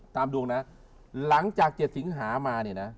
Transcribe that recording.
ตามดวงนะหลังจากเจ็ดสิงหามาเนี่ยนะ